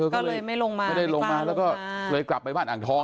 ก็เลยไม่ลงมากลับไปบ้านอังท้อง